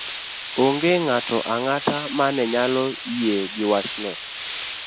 Onge ng'ato ang'ata ma ne nyalo yie gi wachno